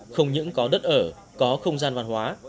không những có đất ở có không gian văn hóa